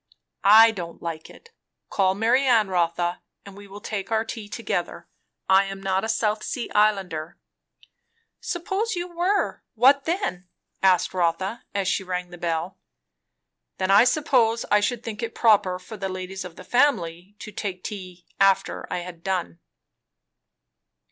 "I don't like it. Call Marianne, Rotha, and we will take our tea together. I am not a South Sea Islander." "Suppose you were, what then?" asked Rotha as she rang the bell. "Then I suppose I should think it proper for the ladies of the family to take tea after I had done."